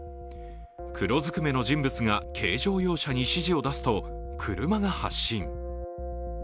黒ずくめの人物が軽乗用車に指示を出すと車が発進。